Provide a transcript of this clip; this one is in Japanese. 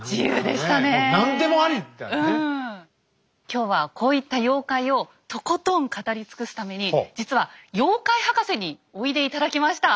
今日はこういった妖怪をとことん語り尽くすために実は妖怪博士においで頂きました。